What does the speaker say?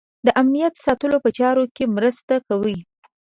د امنیت ساتلو په چارو کې مرسته کوي.